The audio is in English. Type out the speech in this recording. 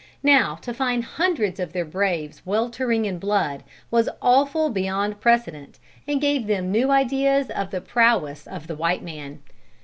Now, to find hundreds of their braves weltering in blood, was awful beyond precedent, and gave them new ideas of the prowess of the white man.